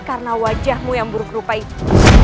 karena wajahmu yang buruk rupa itu